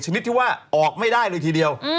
นิดที่ว่าออกไม่ได้เลยทีเดียว